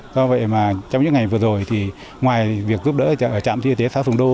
do vậy mà trong những ngày vừa rồi thì ngoài việc giúp đỡ trạm y tế xã sùng đô